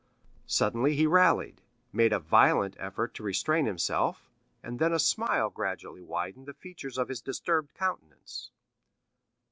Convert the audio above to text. Suddenly he rallied, made a violent effort to restrain himself, and then a smile gradually widened the features of his disturbed countenance.